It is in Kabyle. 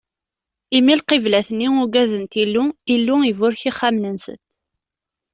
Imi lqiblat-nni ugadent Illu, Illu iburek ixxamen-nsent.